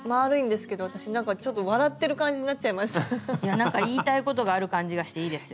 なんか言いたいことがある感じがしていいですよ。